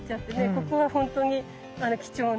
ここがほんとに貴重な。